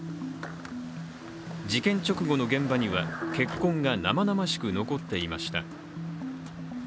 事件直後の現場には血痕が生々しく残っていました。